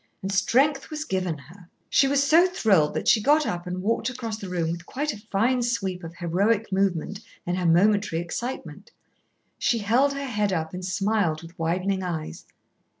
And strength was given her." She was so thrilled that she got up and walked across the room with quite a fine sweep of heroic movement in her momentary excitement. She held her head up and smiled with widening eyes.